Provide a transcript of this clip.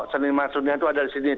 seni masuknya itu ada di sini